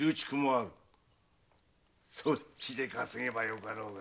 そっちで稼げばよかろうが。